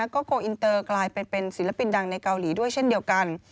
ก็โกลอินเตอร์กลายเป็นศิลปินดังในเกาหลีด้วยเช่นเดียวกัน